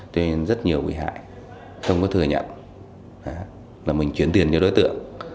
cho nên rất nhiều bị hại không có thừa nhận là mình chuyển tiền cho đối tượng